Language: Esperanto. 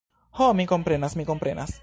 Ho, mi komprenas, mi komprenas.